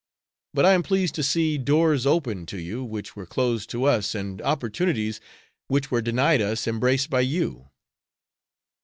But I am pleased to see doors open to you which were closed to us, and opportunities which were denied us embraced by you."